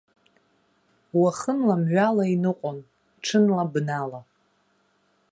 Уахынла, мҩала иныҟәон, ҽынла бнала.